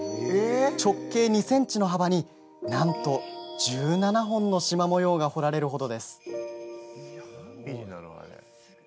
直径２ｃｍの幅になんと１７本のしま模様が彫られるほど。